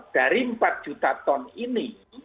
dari empat juta ton ini